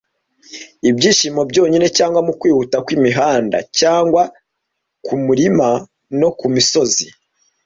Ibyishimo byonyine cyangwa mukwihuta kwimihanda, cyangwa kumirima no kumisozi,